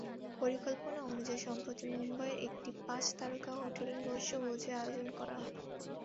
পরিকল্পনা অনুযায়ী সম্প্রতি মুম্বাইয়ের একটি পাঁচ তারকা হোটেলে নৈশভোজের আয়োজন করা হয়।